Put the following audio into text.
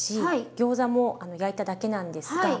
ギョーザも焼いただけなんですが。